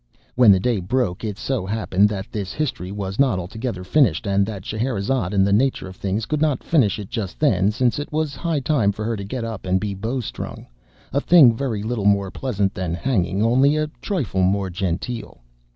When the day broke, it so happened that this history was not altogether finished, and that Scheherazade, in the nature of things could not finish it just then, since it was high time for her to get up and be bowstrung—a thing very little more pleasant than hanging, only a trifle more genteel!